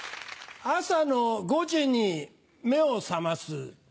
朝の５時に目を覚ます。